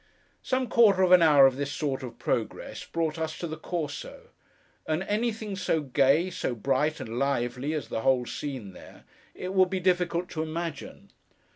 Some quarter of an hour of this sort of progress, brought us to the Corso; and anything so gay, so bright, and lively as the whole scene there, it would be difficult to imagine.